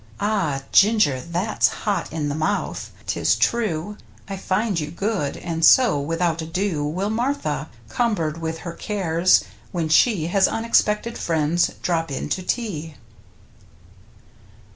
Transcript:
Ah! Ginger that's "hot i' the mouth," 'tis true I find you good. And so without ado Will Martha — cumbered with her cares — when she Has unexpected friends drop in to tea.